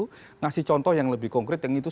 memberikan contoh yang lebih konkret yaitu